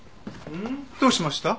どうしました？